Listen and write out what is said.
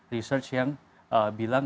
research yang bilang